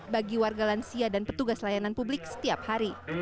bagi warga lansia dan petugas layanan publik setiap hari